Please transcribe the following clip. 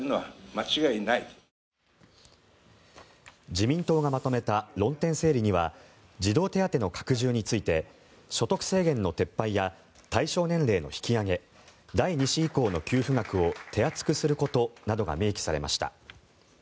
自民党がまとめた論点整理には児童手当の拡充について所得制限の撤廃や対象年齢の引き上げ第２子以降の給付額を手厚くすることなどが明記されました。